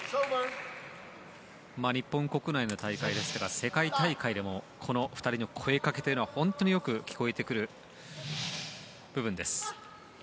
日本国内の大会はそうですが世界大会でもこの２人の声かけは本当によく聞こえてくる部分。